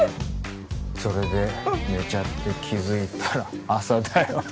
それで寝ちゃって気づいたら朝だよ